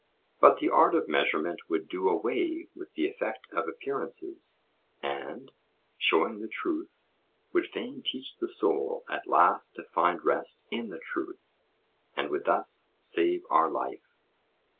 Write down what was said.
But the art of measurement would do away with the effect of appearances, and, showing the truth, would fain teach the soul at last to find rest in the truth, and would thus save our life.